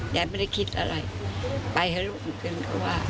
ยายไม่ได้คิดอะไรไปเถอะลูกคุณก็ว่า